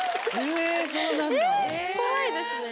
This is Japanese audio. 怖いですね。